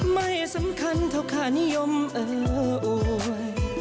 ไม่สำคัญเท่าค่านิยมเอออวย